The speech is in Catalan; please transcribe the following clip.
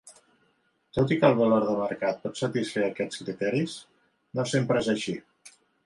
Tot i que el valor de mercat pot satisfer aquests criteris, no sempre és així.